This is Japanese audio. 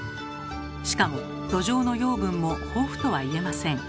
しかも土壌の養分も豊富とは言えません。